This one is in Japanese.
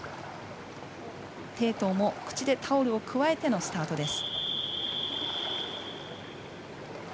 濤も口でタオルをくわえてのスタートです。